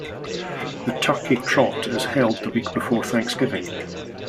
The Turkey Trot is held the week before Thanksgiving.